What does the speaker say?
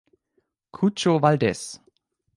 Chucho Valdez